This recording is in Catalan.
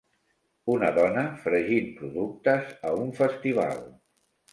Una dona fregint productes a un festival.